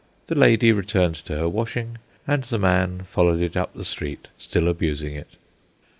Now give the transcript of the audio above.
The lady returned to her washing, and the man followed it up the street, still abusing it.